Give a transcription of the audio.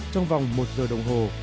trong vòng một giờ đồng hồ